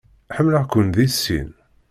Ḥemmleɣ-ken deg sin.